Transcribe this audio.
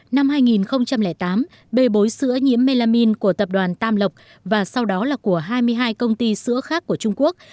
năm hai nghìn tám bề bối sữa nhiễm melamine của tập đoàn tam lộc và sau đó là của hai mươi hai công ty sữa khác của trung quốc